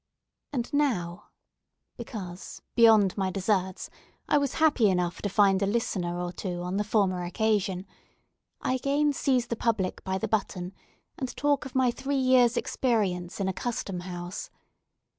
And now—because, beyond my deserts, I was happy enough to find a listener or two on the former occasion—I again seize the public by the button, and talk of my three years' experience in a Custom House.